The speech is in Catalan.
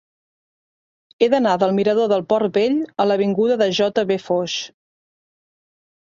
He d'anar del mirador del Port Vell a l'avinguda de J. V. Foix.